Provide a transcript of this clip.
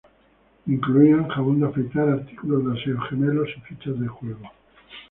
Incluían jabón de afeitar, artículos de aseo, gemelos y fichas de juego.